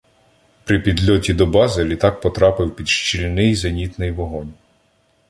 При підльоті до бази літак потрапив під щільний зенітний вогонь.